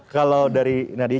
kalau dari nadia